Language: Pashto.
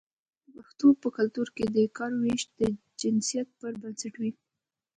د پښتنو په کلتور کې د کار ویش د جنسیت پر بنسټ وي.